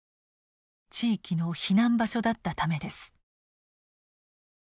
地域の避難場所だったためです。